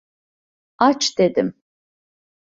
Aç dedim!